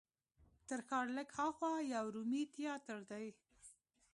تر ښار لږ هاخوا یو رومي تیاتر دی.